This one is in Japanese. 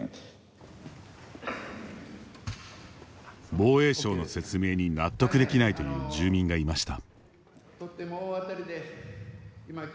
防衛省の説明に納得できないという住民がいました。